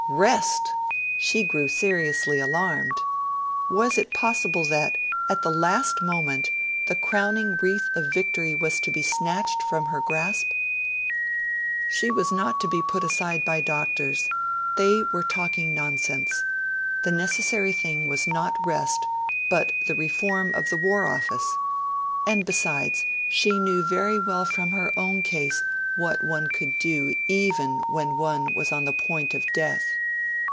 Rest! She grew seriously alarmed. Was it possible that, at the last moment, the crowning wreath of victory was to be snatched from her grasp? She was not to be put aside by doctors; they were talking nonsense; the necessary thing was not rest, but the reform of the War Office; and, besides, she knew very well from her own case what one could do even when one was on the point of death.